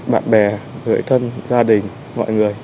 bạn bè người thân gia đình mọi người